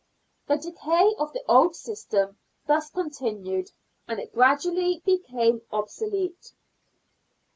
The decay of the old system thus continued, and it gradually became obsolete.